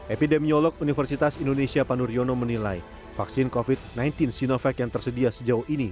epidemiolog universitas indonesia panduryono menilai vaksin covid sembilan belas sinovac yang tersedia sejauh ini